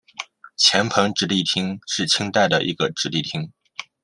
黔彭直隶厅是清代的一个直隶厅。